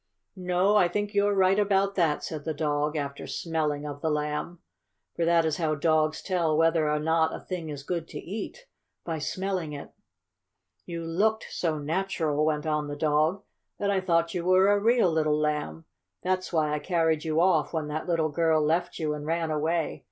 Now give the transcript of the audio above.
"No, I think you're right about that," said the dog, after smelling of the Lamb. For that is how dogs tell whether or not a thing is good to eat by smelling it. "You looked so natural," went on the dog, "that I thought you were a real little Lamb. That's why I carried you off when that little girl left you and ran away.